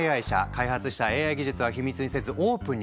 「開発したＡＩ技術は秘密にせずＯｐｅｎにする」